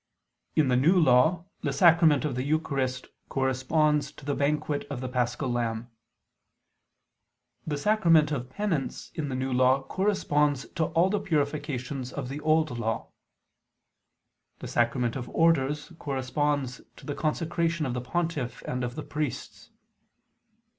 In the New Law the sacrament of the Eucharist corresponds to the banquet of the paschal lamb. The sacrament of Penance in the New Law corresponds to all the purifications of the Old Law. The sacrament of Orders corresponds to the consecration of the pontiff and of the priests.